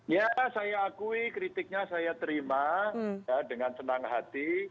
ya saya akui kritiknya saya terima dengan senang hati